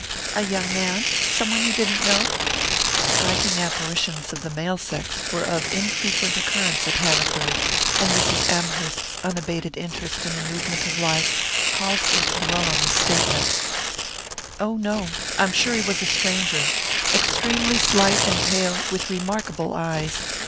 "A young man? Some one you didn't know?" Striking apparitions of the male sex were of infrequent occurrence at Hanaford, and Mrs. Amherst's unabated interest in the movement of life caused her to dwell on this statement. "Oh, no I'm sure he was a stranger. Extremely slight and pale, with remarkable eyes.